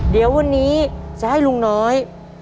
เดี๋ยววันนี้จะให้ลุงน้อย